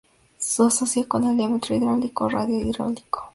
Se asocia con el diámetro hidráulico o radio hidráulico.